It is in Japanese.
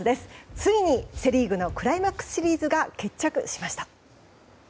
ついにセ・リーグのクライマックスシリーズが決着しました。